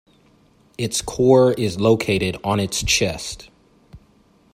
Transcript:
Its core is located on its chest.